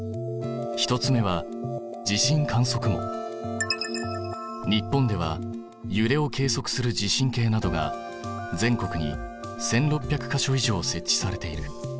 １つ目は日本ではゆれを計測する地震計などが全国に１，６００か所以上設置されている。